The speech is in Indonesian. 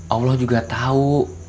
allah juga tau